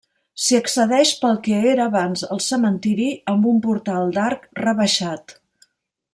S'hi accedeix pel que era abans el cementiri amb un portal d'arc rebaixat.